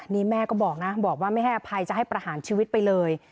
นี่แม่ก็บอกนะบอกว่าไม่ให้อภัยจะให้ประหารชีวิตไปเลย